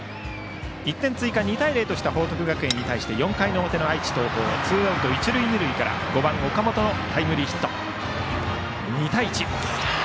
１点追加、２対０とした報徳学園に対し４回の表の愛知・東邦ツーアウト、一塁二塁から５番、岡本のタイムリーヒットで２対１。